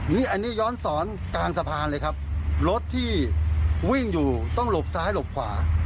นี่อันนี้ย้อนสอนกลางสะพานเลยครับรถที่วิ่งอยู่ต้องหลบซ้ายหลบขวา